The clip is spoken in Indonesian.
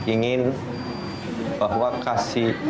ingin bahwa kasih